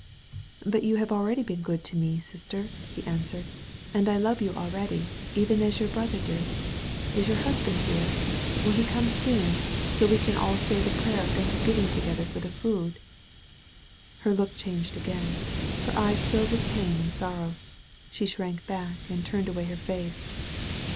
"But you have already been good to me, sister, he answered, "and I love you already, even as your brother did. Is your husband here? Will he come soon, so that we can all say the prayer of thanks giving together for the food?" Her look dianged again; her eyes filled with pain and sorrow; she shrank back and turned away her face.